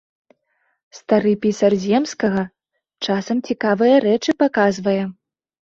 Стары пісар земскага часам цікавыя рэчы паказвае.